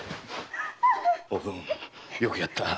おぶんよくやった。